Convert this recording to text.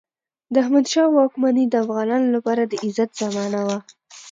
د احمدشاه بابا واکمني د افغانانو لپاره د عزت زمانه وه.